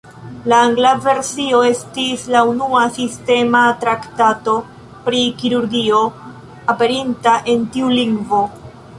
La angla versio estis la unua sistema traktato pri kirurgio aperinta en tiu lingvo.